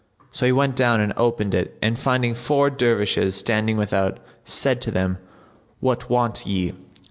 So he went down and opened it and finding four Dervishes standing without, said to them, "What want ye?"